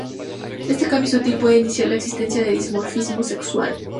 Este cambio sutil puede indicar la existencia de dimorfismo sexual.